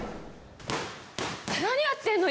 何やってんの？